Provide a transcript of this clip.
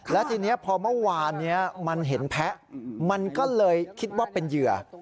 และทีนี้พอเมื่อวานนี้มันเห็นแพ้มันก็เลยคิดว่าเป็นเหยื่อ